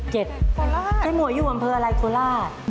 โคราชโคราชอยู่อำเภออะไรโคราช